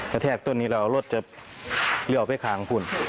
เรารถจะเลี่ยวไปขางคุณ